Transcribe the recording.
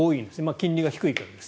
金利が低いからです。